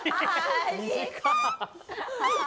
短っ！